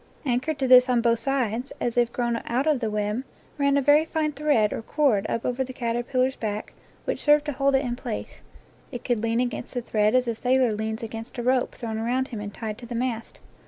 Anchored to this on both sides, as if grown out of the web,, ran a very fine thread or cord up over the caterpillar's back, which served to hold it in place; it could lean against the thread as a sailor leans against a rope thrown around him and tied to the mast.